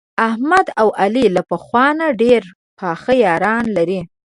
احمد او علي له پخوا نه ډېره پخه یاري لري.